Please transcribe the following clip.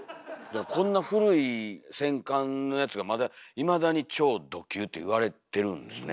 こんな古い戦艦のやつがまだいまだに「超ド級」って言われてるんですね。